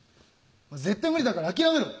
「絶対無理だから諦めろ」